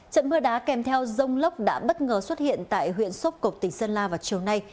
trận mưa đá kèm theo rông lốc đã bất ngờ xuất hiện tại huyện sốc cục tỉnh sơn la vào chiều nay